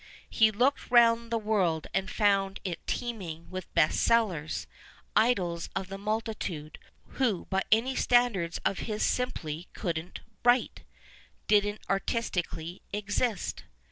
He looked round the world and found it teeming with " best sellers," idols of the multitude, who by any standards of his simply couldn't " \vrite," didn't artistically " exist."